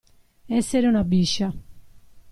Essere una biscia.